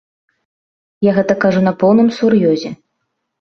Я гэта кажу на поўным сур'ёзе.